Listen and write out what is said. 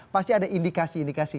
pasti ada indikasi indikasi